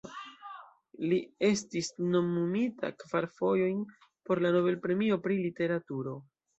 Li estis nomumita kvar fojojn por la Nobel-premio pri literaturo.